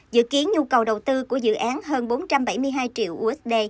dự kiến nhu cầu đầu tư của dự án hơn bốn trăm bảy mươi hai triệu usd